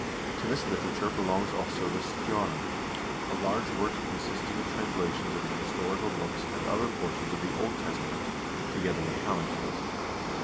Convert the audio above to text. To this literature belongs, also, the " Stjorn," a large work consisting of translations of the historical books and other portions of the Old Testament, together with com mentaries.